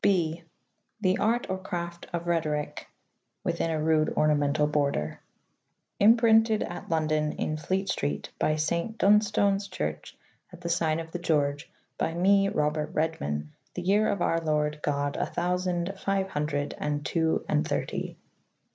(h) The Arte / or Crafte of/ Rheto/ryke./ [within a rude orna mental border]. [Colophon :] Imprinted at London in Fletestrete by savnt Dunstones chyrche /, at the sygne of the George / by me Robert Redman, The vere of our lorde god a thousande / fyue hun dred and two and thvrty